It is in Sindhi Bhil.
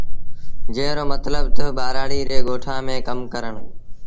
جݩهݩ رو متلب تا ٻآرآڙي ري ڳوٺآݩ ميݩ ڪم ڪرڻ۔